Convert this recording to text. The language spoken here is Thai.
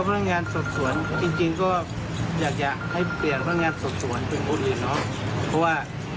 การสอบสวนเนี่ยมันก็จะไม่ผมพูดตรงว่ามันไม่ดีอะนะ